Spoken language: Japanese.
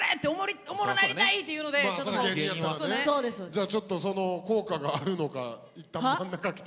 じゃあその効果があるのかいったん真ん中来てもらって。